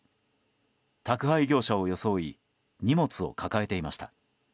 宅配業者を装い荷物を抱えていました。